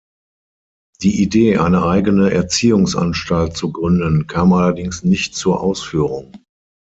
Die Idee, eine eigene Erziehungsanstalt zu gründen, kam allerdings nicht zur Ausführung.